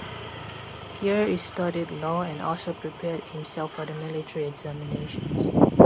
Here he studied law, and also prepared himself for the military examinations.